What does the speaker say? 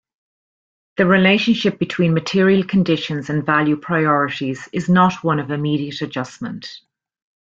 The relationship between material conditions and value priorities is not one of immediate adjustment.